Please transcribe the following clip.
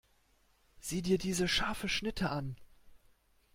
Sieh dir diese scharfe Schnitte an!